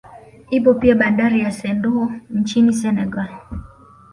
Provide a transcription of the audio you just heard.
Ipo pia bandari ya Sendou nchini Senegal